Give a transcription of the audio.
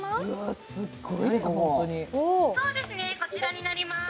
こちらになります。